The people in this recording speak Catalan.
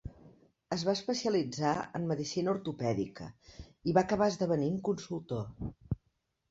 Es va especialitzar en medicina ortopèdica, i va acabar esdevenint consultor.